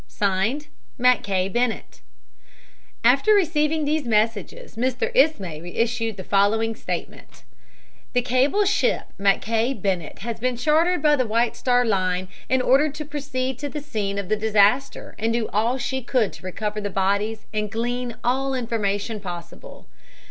(Signed) "MACKAY BENNETT." After receiving these messages Mr. Ismay issued the following statement: "The cable ship Mackay Bennett has been chartered by the White Star Line and ordered to proceed to the scene of the disaster and do all she could to recover the bodies and glean all information possible.